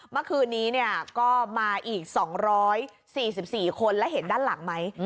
เมื่อคืนนี้ก็มาอีก๒๔๔คนแล้วเห็นด้านหลังไหม